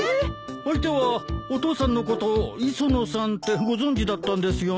相手はお父さんのこと磯野さんってご存じだったんですよね。